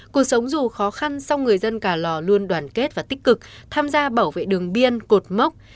cuộc sống dù khó khăn song người dân cả lò luôn đoàn kết và tích cực tham gia bảo vệ đường biên cột mốc